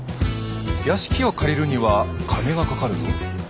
屋敷を借りるには金がかかるぞ。